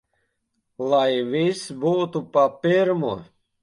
Lai viss būtu pa pirmo!